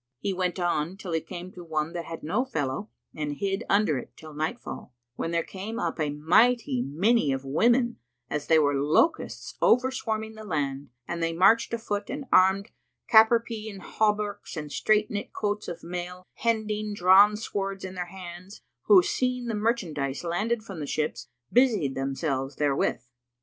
He went on, till he came to one that had no fellow and hid under it till nightfall, when there came up a mighty many of women, as they were locusts over swarming the land and they marched afoot and armed cap ŕ pie in hauberks and strait knit coats of mail hending drawn swords in their hands, who, seeing the merchandise landed from the ships, busied themselves therewith.